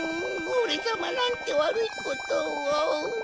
オレさまなんてわるいことを。